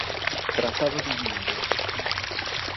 Trattato di Vilnius